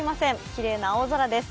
きれいな青空です。